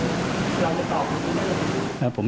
คิดว่าเราจะตอบหรือไม่ตอบ